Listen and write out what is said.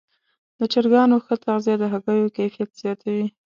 د چرګانو ښه تغذیه د هګیو کیفیت زیاتوي.